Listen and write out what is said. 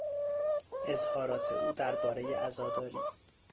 اظهارات او دربارهی عزاداری